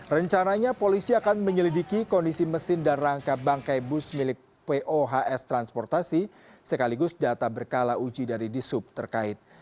rencananya polisi akan menyelidiki kondisi mesin dan rangka bangkai bus milik pohs transportasi sekaligus data berkala uji dari disub terkait